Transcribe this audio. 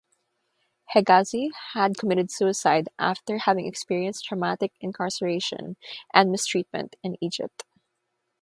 Hegazi had committed suicide after having experienced traumatic incarceration and mistreatment in Egypt.